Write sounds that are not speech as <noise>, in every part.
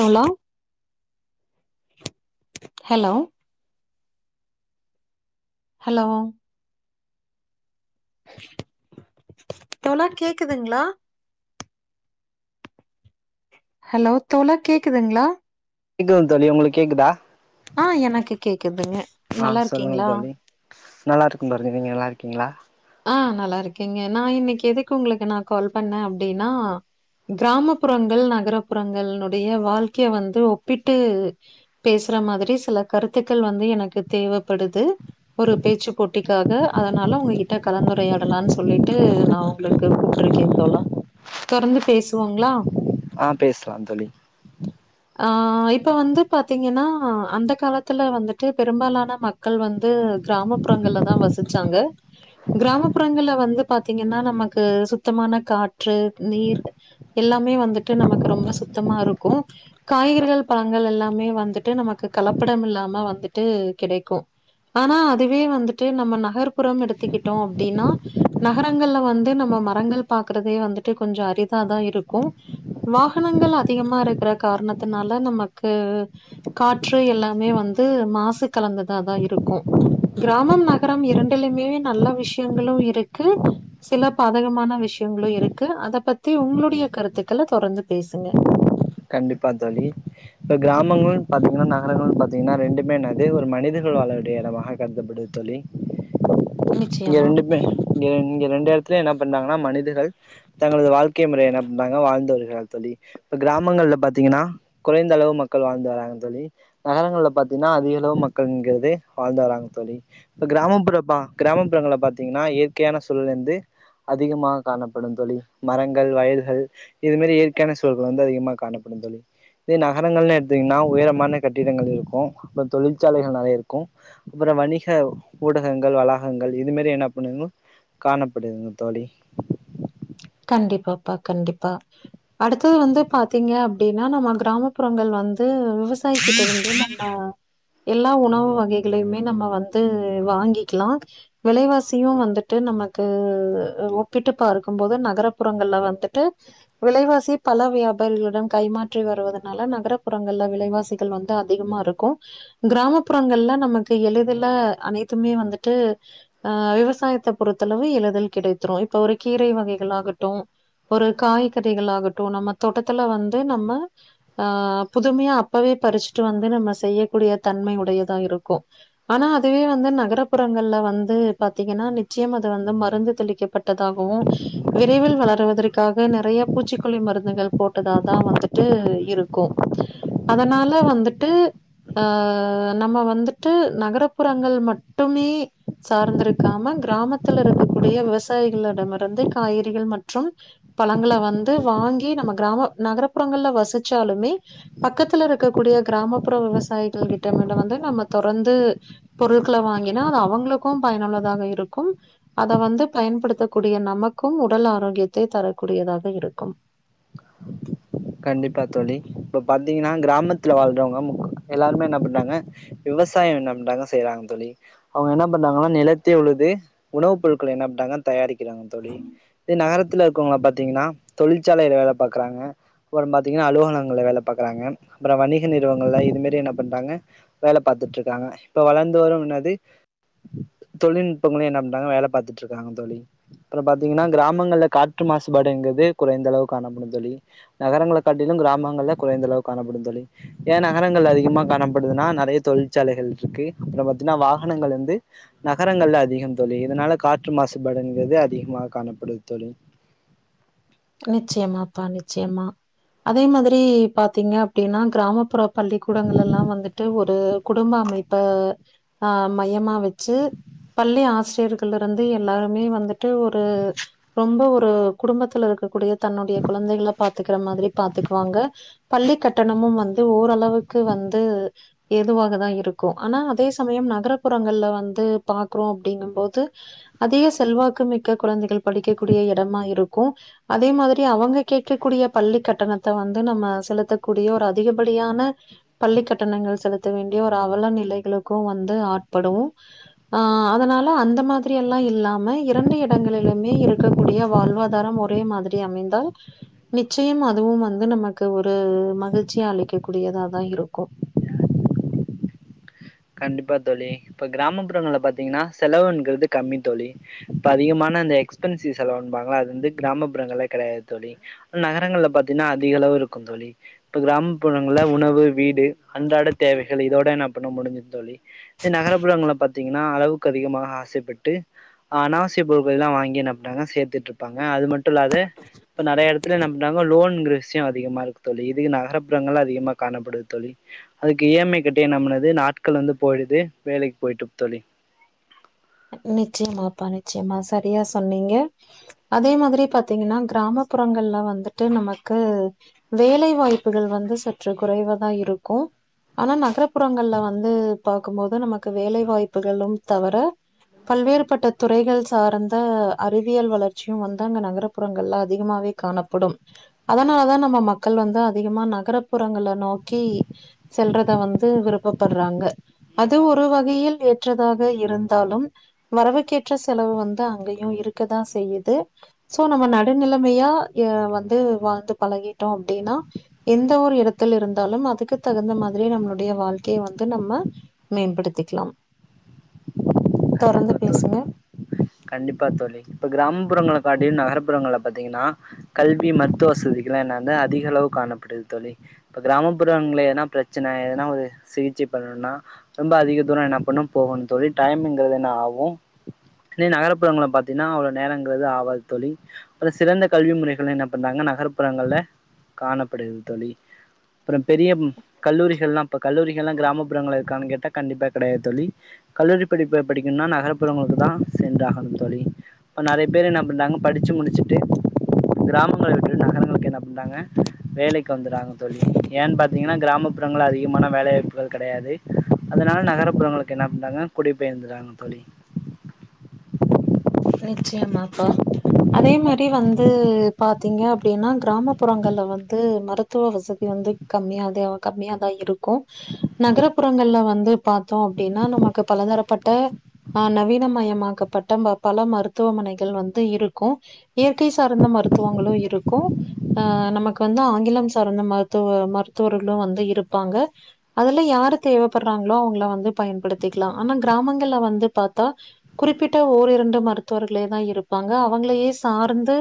hello hello hello hello கேக்குதுங்களா hello தோழா கேக்குதுங்ளா கேக்குதுங் தோழி உங்களுக் கேக்குதா ஆ எனக்கு கேக்குதுங்க ஆ நல்லா சொல்லுங்க இருக்கீங்களா தோழி நல்லாருக்கே பாரதி நீங்க நல்லாருக்கீங்ளா ஆ நல்லாருக்கேங்க நா இன்னிக் எதுக்கு உங்ளுக்கு நா கால் பண்ணே அப்டின்னா கிராமப்புறங்கள் நகர புறங்கள்னுடைய வாழ்க்கைய வந்து ஒப்பிட்டு பேசற மாதிரி சில கருத்துக்கள் வந்து எனக்கு தேவப்படுது ஒரு பேச்சு போட்டிக்காக அதனால உங்ககிட் ட கலந்துரையாடலான் சொல்லீட்டு நா உங்ளுக்கு கூப்ட்ருக்கே தோழா தொடர்ந்து பேசுவோங்ளா ஆ பேஸ்லா தோழி ஆ இப்ப வந்து பாத்தீங்கன்னா அந்த காலத்துல வந்துட்டு பெரும்பாலான மக் கள் வந்து கிராமப்புறங்கள்ல தா வசிச்சாங்க கிராமப்புறங்கள்ல வந்து பாத்தீங்கன்னா நமக்கு சுத்தமான காற்று, நீர் எல்லாமே வந்துட்டு நமக்கு ரொம்ப சுத்தமாருக்கு காய்கறிகள், பழங்கள் எல்லாமே வந்துட்டு நமக்கு கலப்படம் இல்லாம வந்துட்டு கிடைக்கு ஆனா அதுவே வந்துட்டு நம்ம நகர்ப்புறம் எடுத்துக்கிட்டோ அப்டினா நகரங்கள்ல வந்து நம்ம மரங்கள் பாக்கறதே வந்துட்டு கொஞ்சோ அரிதாதா இருக்கு வாகனங்கள் அதிகமா இருக்கற காரணத்துனால நமக்கு காற்று எல்லாமே வந்து மாசு கலந்ததா தா இருக்கு கிராமம், நகரம் இரண்டுலுமே நல்ல விஷ்யங்களு இருக்கு சில பாதகமான விஷ்யங்களு இருக்கு அத பத்தி உங்ளுடைய கருத்துக்கள தொடர்ந்து பேசுங்க கண்டிப்பா தோழி இப்ப கிராமங்கள்ன் பாத்தீங்கன்னா நகரங்கள்னு பா்த்தீங்கன்னா ரெண்டுமே என்னது ஒரு மனிதர்கள் வாழ வேண்டிய எடமாக கருதப்படுது தோழி இங்க நிச்சயமா ரெண்டு பே இங்க இங்க ரெண்டு எடத்துலயு என்ன பண்றாங்கனா மனிதர்கள் தங்களது வாழ்க்கை முறைய என்ன பண்றாங்கனா வாழ்ந்து வருகிறார்கள் தோழி இப்ப கிராம ங்கள்ல பாத்தீங்கன்னா குறைந்தளவு மக்கள் வாழ்ந்து வராங்க தோழி நகரங்கள்ல பாத்தீன்னா அதிகளவு மக்கள்ங்கறது வாழ்ந்து வராங்க தோழி இப்ப கிராமப்புற பா கிராமப்புறங்கள்ல பாத்தீங்கன்னா இயற்கையான சூழல் வந்து அதிகமாக காணப்படும் தோழி மரங்கள், வயல்கள் இது மாரி இயற்கையான சூழல்கள் வந்து அதிகமா காணப்படும் தோழி இப்ப நகரங்கள்னு எடுத்தீங்னா உயரமான கட்டிடங்கள் இருக்கு அப்றோ தொழிற்சாலைகள் நெறைய இருக்கு அப்பறோ வணிக ஊடகங்கள், வளாகங்கள் இது மாரியான <unintelligible> காணப்படுதுங்க தோழி கண்டிப்பாப்பா கண்டிப்பா அடுத்தது வந்து பாத்தீங்க அப்டினா நம்ம கிராமப்புறங்கள் வந்து விவசாயிக்கிட்ட இருந்து ஆ எல்லா உணவு வகைகளையுமே நம்ம வந்து வாங்கிக்கலா விலைவாசியு வந்துட்டு நமக்கு அ ஒப்பிட்டு பார்க்கும்போது நகரப்புறங்கள்ல வந்துட்டு விலைவாசி பல வியாபாரிகளிடம் கைமாற்றி வருவதனால நகரபுறங்கள்ல விலைவாசி கள் வந்து அதிகமா இருக்கு கிராமப்புறங்கள்ல நமக்கு எளிதுல அனைத்துமே வந்துட்டு ஆ விவசாயத்த பொறுத்தளவு எளிதில் கிடைத்திரு இப்ப ஒரு கீரை வகைகளாக ட்டு ஒரு காய்கறிகள் ஆகட்டு நம்ம தோட்டத்துல வந்து நம்ம ஆ புதுமையா அப்பவே பறிஸ்ட்டு வந்து நம்ம செய்யக்கூடிய தன்மை உடையதா இருக்கு ஆனா அதுவே வந்து நகரப்புறங்கள்ல வந்து பாத்தீங்கன்னா நிச்சயமா அது வந்து மருந்து தெளிக்கப் பட்டதாகவு விரைவில் வளருவதற்காக நெறைய பூச்சிக்கொல்லி மருந்துகள் போட்டதாதா வந்துட்டு இருக்கு அதனால வந்துட்டு ஆ நம்ம வந்துட்டு நகரப்புறங்கள் மட்டுமே சார்ந்திருக்காம கிராமத்துல இருக்கக்கூடிய விவசாயிகளிடமிருந்து காய்றிகள் மற்றும் பழங்கள வந்து வாங்கி நம்ம கிராம நகரப்புறங்கள்ல வசிச்சாலுமே பக்கத்துல இருக்கக்க கூடிய கிராமப்புற விவசாயிகள் கிட்டமல வந்து நம்ம தொடர்ந்து பொருட்கள வாங்கினா அது அவுங்களுக்கு பயனுள்ளதாக இருக்கும் அத வந்து பயன்படுத்தக்கூடிய நமக்கும் உடல் ஆரோக்கியத்தை தரக்கூடியதாக இருக்கும் கண்டிப்பா தோழி இப்ப பாத்தீங்னா கிராமத்துல வாழ்றவங்க மு எல்லாருமே என்ன பண்றாங்க விவசாயம் நம்ப தா செய்றாங்க தோழி அவங்க என்ன பண்றாங்கன்னா நிலத்தே உழுது உணவு பொருட்கள் என்னா பண்றாங்க தயாரிக்கிறாங்க தோழி இது நகரத்துல இருக்கவுங்கள பார்த்தீங்கனா தொழிற்சாலைல வேல பாக்குறாங்க அப்றோ பாத்தீங்னா அலுவலங்கள்ல வேல பாக்குறாங்க அப்பறோ வணிக நிறுவனங்கள்ல இது மேரி என்ன பண்றாங்க வேல பார்த்துட்டு இருக்காங்க இப்ப வளர்ந்து வரு எனது தொழில்நுட்பங்களையு என்ன பண்ணறாங்க வேல பார்த்துட்டு இருக்காங்க தோழி அப்றோ பாத்தீங்கன்னா கிராமங்கள்ல காற்று மாசுபாடுங்கிறது குறைந்த அளவு காணப்படு தோழி நகரங்களை காட்டிலு கிராமங்கள்ல குறைந்த அளவு காணப்படும் தோழி ஏன் நகரங்கள்ல அதிகமா காணப்படுதுன்னா நெறைய தொழிற்சாலைகள் இருக்கு அப்றோ பாத்தீங்னா வாகனங்கள் வந்து நகரங்கள்ல அதிகம் தோழி இதனால காற்று மாசுபாடுங்கிறது அதிகமாக காணப்படுது தோழி நிச்சயமாப்பா நிச்சயமா அதே மாதிரி பார்த்தீங்க அப்டின்னா கிராமப்புற பள்ளிக்கூடங்கள்ளல்லா வந்துட்டு ஒரு குடும்ப அமைப்ப ஆ மையமா வச்சு பள்ளி ஆசிரியர்கள் இருந்து எல்லாருமே வந்துட்டு ஒரு ரொம்ப ஒரு குடும்பத்துல இருக்கக்கூடிய தன்னுடைய குழந்தைகள பாத்துக்கிற மாரி பாத்துக்குவாங்க பள்ளி கட்டணமு வந்து ஓரளவுக்கு வந்து எதுவாகதா இருக்கும் ஆனா அதே சமயம் நகரப்புறங்கள்ல வந்து பாக்குறோ அப்டிங்கும்போது அதிக செல்வாக்குமிக்க கொழந்தைகள் படிக்கக்கூடிய இடமா இருக்கு அதே மாதிரி அவுங்க கேட்கக்கூடிய பள்ளி கட்டணத்த வந்து நம்ம செலுத்தக்கூடிய ஒரு அதிகப்படியான பள்ளிக்கட்டணங்கள் செலுத்த வேண்டிய ஒரு அவல நிலைகளுக்கு வந்து ஆட்படு ஆ அதனால அந்த மாதிரி எல்லா இல்லாம இரண்டு இடங்களிலுமே இருக்கக்கூடிய வாழ்வாதாரம் ஒரு ஒரே மாதிரி அமைந்தால் நிச்சயம் அதுவும் வந்து நமக்கு ஒரு மகிழ்ச்சிய அளிக்க கூடியதா தா இருக்கு கண்டிப்பா தோழி இப்ப கிராமப்புறங்கள்ல பார்த்தீங்னா செலவுங்கிறது கம்மி தோழி இப்ப அதிகமான அந்த எக்ஸ்பென்சிவ்ஸ் செலவும்பாங்கள அது வந்து கிராமப்புறங்கள்ல கெடையாது தோழி நகரங்கள்ல பாத்தீனா அதிக அளவு இருக்கு தோழி இப்போ கிராமப்புறங்கள்ல உணவு வீடு அன்றாட தேவைகள் இதோட என்ன பண்ண முடிஞ்சிது தோழி இந்த நகரபுறங்கள்ல பார்த்தீங்னா அளவுக்கு அதிகமாக ஆசைப்பட்டு அனாசிய பொட்கள்லா வாங்கி என்ன பண்டாங்க சேர்த்துட்டு இருப்பாங்க அது மட்டு இல்லாது இப்ப நறைய இடத்து ல என்ன பண்டாங்க லோன் வசதியு அதிகமா இருக்கு தோழி இது நகர்புறங்கள்ல அதிகமா காணப்படுது தோழி அதுக்கு ஈ எம் ஐ கட்டி என்ன பண்ணுது நாட்கள் வந்து போயிடுது வேலைக் போயிட்டு தோழி நிச்சயமாப்பா நிச்சயமா சரியா சொன்னீங்க அதே மாதிரி பாத்தீங்கனா கிராமப்புறங்கள்ல வந்துட்டு நமக்கு வேலை வாய்ப்புகள் வந்து சற்று குறைவா தா இருக்கு ஆனா நகரபுறங்கள்ல வந்து பார்க்கும் போது நமக்கு வேலை வாய்ப்புகளும் தவர பல்வேறுபட்ட துறைகள் சார்ந்த அறிவியல் வளர்ச்சியு வந்து அங்க நகர்புறங்கள்ல அதிகமாவே காணப்படும் அதனால தா நம்ம மக்கள் வந்து அதிகமா நகர்புறங்கள நோக்கி செல்றத வந்து விருப்பப்படுறாங்க அது ஒரு வகையில் ஏற்றதாக இருந்தாலும் வரபுக்கேற்ற செலவு வந்து அங்கேயும் இருக்கதான் செய்யுது சோ நம்ம நடுநிலைமையா அ வந்து வாழ்ந்து பழகிட்டோ அப்டின்னா எந்த ஒரு இடத்துல இருந்தாலும் அதுக்கு தகுந்த மாதிரி நம்மளுடைய வாழ்க்கையை வந்து நம்ம மேம்படுத்திக்கலாம் தொறர்ந்து கண்டிப்பா தோழி பேசுங்க கண்டிப்பா தோழி இப்ப கிராமப்புறங்கள காட்டிலு நகர்புறங்கள பாத்தீங்கன்னா கல்வி மருத்துவ வசதிகள் என்ன அதிக அளவு காணப்படுது தோழி இப்ப கிராமப்புறங்கள எனா பிரச்ச ச்சன எதனா ஒரு சிகிச்சை பண்ணணும்னா ரொம்ப அதிக தூரம் என்ன பண்ணும் போகணு தோழி டைமிங்கிறது என்ன ஆகு இன்னி நகர்புறங்களல பாத்தீங்கன்னா அவ்வளோ நேரங்கிறது ஆவாது தோழி அப்ற சிறந்த கல்வி முறைகள் என்ன பண்றாங்க நகர்ப்புறங்கள்ல காணப்படுது தோழி அப்புறம் பெரியம் கல்லூரிகள்லாம் இப்ப கல்லூரிகள் எல்லாம் கிராமப்புறங்கள இருக்கானு கேட்டா கண்டிப்பா கிடையாது தோழி கல்லூரி படிப்பை படிக்கணுன்னா நகர்புறங்களுக்கு தா சென்றாகணும் தோழி இப்ப நறைய பேர் என்ன பன்றாங்கனா படிச்சு முடிச்சுட்டு கிராமங்கள விட்டுட்டு நகரங்களுக்கு என்ன பண்றாங்க வேலைக்கு வந்துறாங்க தோழி ஏன் பாத்தீங்கன்னா கிராமப்புறங்கள அதிகமான வேலை வாய்ப்புகள் கிடையாது அதனால நகர்புறங்களுக்கு என்ன பண்றாங்க குடி பெயர்ந்துறாங்க தோழி நிச்சயமாப்பா அதே மாரி வந்து பாத்தீங்க அப்படின்னா கிராமப்புறங்கல வந்து மருத்துவ வசதி வந்து கம்மிய அத கம்மியாதா இருக்கு நகரபுறங்கள்ல வந்து பாத்தோ அப்படின்னா நமக்கு பலதரப்பட்ட ஆ நவீனமயமாக்க பட்டம்ப பல மருத்துவமனைகள் வந்து இருக்கும் இயற்கை சார்ந்த மருத்துவங்களு இருக்கு அ நமக்கு வந்து ஆங்கிலம் சார்ந்த மருத்துவ மருத்துவர்களும் வந்து இருப்பாங்க அதுல யாரு தேவைப்படுறாங்களோ அவங்கள வந்து பயன்படுத்திக்கலா ஆனா கிராமங்கள்ல வந்து பாத்தா குறிப்பிட்ட ஓர் இரண்டு மருத்துவர்களேதா இருப்பாங்க அவுங்களையே சார்ந்து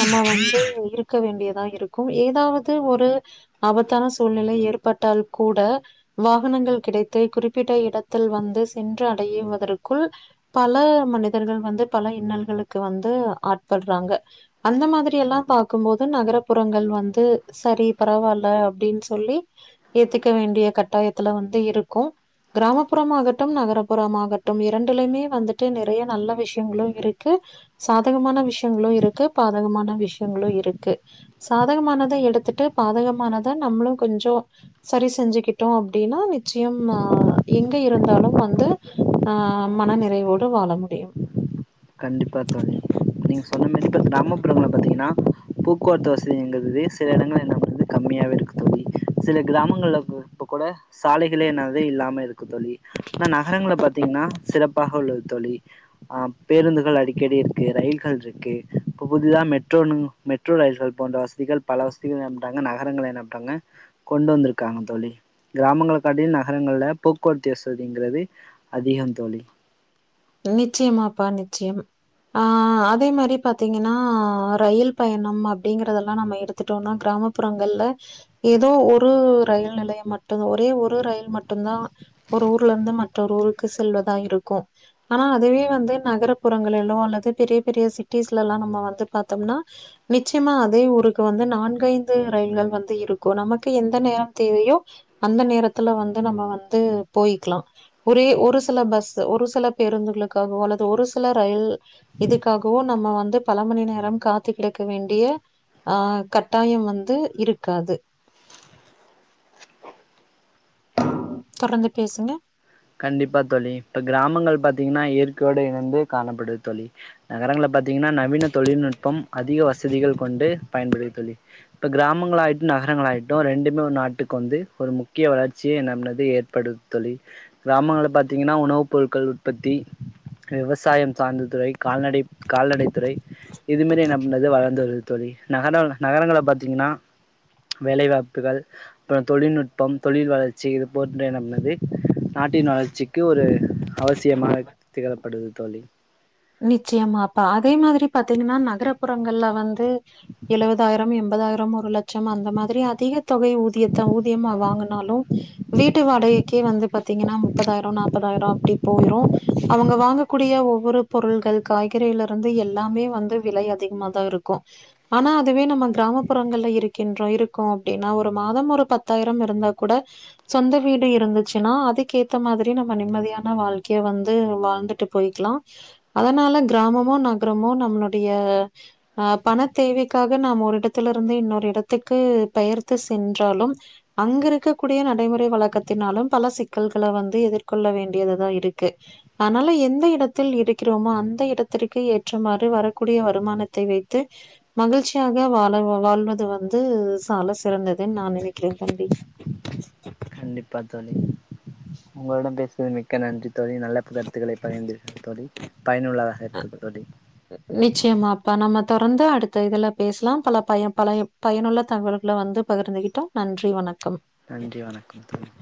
நம்ம வந்து இருக்க வேண்டியதா இருக்கு ஏதாவது ஒரு ஆபத்தான சூழ்நிலை ஏற்பட்டால் கூட வாகனங்கள் கிடைத்து குறிப்பிட்ட இடத்தில் வந்து சென்று அடையிவதற்குள் பல மனிதர்கள் வந்து பல இன்னல்களுக்கு வந்து ஆட்படுறாங்க அந்த மாதிரி எல்லா பாக்கும்போது நகரபுறங்கள் வந்து செரி பரவாயில்ல அப்படின்னு சொல்லி ஏத்துக்க வேண்டிய கட்டாயத்துல வந்து இருக்கும் கிராமப்புறமாகட்டும் நகர்புறமாகட்டும் இரண்டுலயுமே வந்துட்டு நிறைய நல்ல விஷயங்களு இருக்கு சாதகமான விஷயங்களு இருக்கு பாதகமான விஷயங்களு இருக்கு சாதகமானத எடுத்துட்டு பாதகமானத நம்மளு கொஞ்சோ சரி செஞ்சுக்கிட்டோ அப்படின்னா நிச்சயம் ஆ எங்க இருந்தாலும் வந்து ஆ மன நிறைவோடு வாழ முடியும் கண்டிப்பா தோழி நீங்க சொன்ன மாரி இப்ப கிராமப்புறங்கள்ல பாத்தீங்கன்னா போக்குவரத்து வசதிங்கிறது சில இடங்கள்ல என்ன பண்து கம்மியாவே இருக்கு தோழி சில கிராமங்கள்ல இப்ப கூட சாலைகளே என்னது இல்லாம இருக்கு தோழி ஆனா நகரங்கள பாத்தீங்கன்னா சிறப்பாக உள்ளது தோழி அ பேருந்துகள் அடிக்கடி இருக்கு ரயில்கள் இருக்கு இப்போ புதிதா மெட்ரோ மெட்ரோ ரயில்கள் போன்ற வசதிகள் பல வசதிகள் என்ன பண்ணிடாங்க நகரங்கள என்ன பண்ணிடாங்க கொண்டு வந்திருக்காங்க தோழி கிராமங்கள காட்டி நகரங்கள்ல போக்குவரத்து வசதிங்கிறது அதிகத் தோழி நிச்சயமாப்பா நிச்சயமா ஆ அதே மாரி பாத்தீங்கன்னா ரயில் பயண அப்டிங்கறதெல்லா நம்ம எடுத் துட்டோம்னா கிராமப்புறங்கள்ல ஏதோ ஒரு ரயில் நிலைய மட்டு ஒரே ஒரு ரயில் மட்டுந்தா ஒரு ஊர்லருந்து மற்றொரு ஊருக்கு செல்வதா இருக்கோ ஆனா அதுவே வந்து நகர்புறங்களலோ அல்லது பெரிய பெரிய சிட்டிஸ்லல்லா நம்ம வந்து பாத்தோம்னா நிச்சயமா அதே ஊருக்கு வந்து நான்கைந்து ரயில்கள் வந்து இருக்கு நமக்கு எந்த நேரோ தேவையோ அந்த நேரத்துல வந்து நம்ம வந்து போயிக்கலா ஒரே ஒரு சில பஸ் ஒரு சில பேருந்துகளுக்காகவு அல்லது ஒரு சில ரயில் இதுக்காகவு நம்ம வந்து பல மணி நேரம் காத்து கிடக்க வேண்டிய ஆ கட்டாயம் வந்து இருக்காது தொடர்ந்து பேசுங்க கண்டிப்பா தோழி இப்ப கிராமங்கள் பாத்தீங்கன்னா இயற்கயோடு இணந்து காணப்படுது தோழி நகரங்கள பாத்தீங்கன்னா நவீன தொழில்நுட்பம் அதிக வசதிகள் கொண்டு பயன்படுது தோழி இப்ப கிராமங்களாகட்டு நகரங்களகட்டு ரெண்டுமே ஒரு நாட்டுக்கு வந்து ஒரு முக்கிய வளர்ச்சியே என்னா பண்ணுது ஏற்படு தோழி கிராமங்கள பாத்தீங்கன்னா உணவுப் பொருட்கள் உற்பத்தி விவசாய சார்ந்த துறை கால்நடை கால்நடை துறை இதுமரி என்ன பண்ணுது வளர்ந்து வருது தோழி நகர நகரங்கள பாத்தீங்கன்னா வேலைவாய்ப்புகள் அப்பறோ தொழில்நுட்பம் தொழில் வளர்ச்சி இது போன்று என்ன பண்ணுது நாட்டின் வளர்ச்சிக்கு ஒரு அவசியமாக திகழப்படுது தோழி நிச்சயமாப்பா அதே மாதிரி பாத்தீங்கன்னா நகரபுறங்கள்ல வந்து எழுவதாயிரம் எண்பதாயிரம் ஒரு லட்சம் அந்த மாதிரி அதிக தொகை ஊதியத்தை ஊதியமா வாங்குனாலு வீட்டு வாடகைக்கே வந்து பாத்தீங்கன்னா முப்பதாயிரோ நாற்பதாயிரோ அப்டி போயிரோ அவங்க வாங்கக்கூடிய ஒவ்வொரு பொருள்கள் காய்கறிலருந்து எல்லாமே வந்து விலை அதிகமாதா இருக்கு ஆனா அதுவே நம்ம கிராமப்புறங்கள்ல இருக்கின்றோ இருக்கோ அப்டின்னா ஒரு மாத ஒரு பத்தாயிரம் இருந்தா கூட சொந்த வீடு இருந்துச்சுன்னா அதுக்கேத்த மாதிரி நம்ம நிம்மதியான வாழ்க்கைய வந்து வாழ்ந்துட்டு போயிக்லா அதனால கிராமமோ நகரமோ நம்மளுடைய ஆ பண தேவைக்காக நாம் ஒரு இடத்தில இருந்து இன்னொரு இடத்துக்கு பெயர்த்து சென்றாலும் அங்கருக்க கூடிய நடைமுறை வழக்கத்தினாலு பல சிக்கல்கள வந்து எதிர்கொள்ள வேண்டியதுதா இருக்கு ஆதுனால எந்த இடத்தில் இருக் கிறோமோ அந்த இடத்திற்கு ஏற்றமாறு வரக்கூடிய வருமானத்தை வைத்து மகிழ்ச்சியாக வாழ வாழ்வது வந்து சால சிறந்ததுன் நா நினைக்கிற தம்பி கண்டிப்பா தோழி உங்களிடம் பேசுவது மிக்க நன்றி தோழி நல்ல கருத்துக்களை பகிந்துர் தோழி பயனுள்ளதாக க்கு தோழி நிச்சயமாப்பா நம்ம தொடர்ந்து அடுத்த இதுல பேசலாம் பல பயன் பல பயனுள்ள தகவல்கள வந்து பகிர்ந்துகிட்டோம் நன்றி வணக்கம் நன்றி வணக்கம் தோழி